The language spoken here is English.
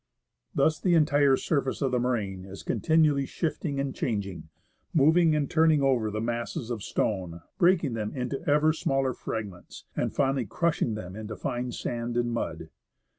Thus, the entire surface of the moraine is continually shifting and changing, moving and turning over the masses of stone, breaking them into ever smaller fragments, and finally crush ing them into fine sand and mud.